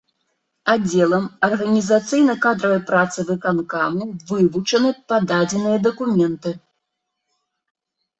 Аддзелам арганізацыйна-кадравай працы выканкаму вывучаны пададзеныя дакументы.